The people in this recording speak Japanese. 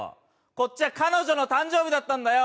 こっちは彼女の誕生日だったんだよ。